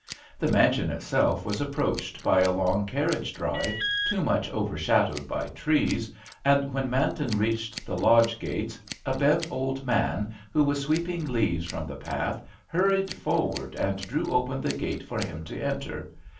The mansion itself was approached by a long carriage drive, too much overshadowed by trees, and when Manton reached the lodge gates a bent old man, who was sweeping leaves from the path, hurried forward and drew open the gate for him to enter.